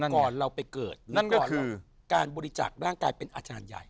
ก่อนเราไปเกิดหรือก่อนการบริจาคร่างกายเป็นอาจารย์ใหญ่